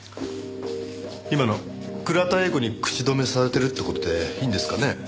今の倉田映子に口止めされてるって事でいいんですかね？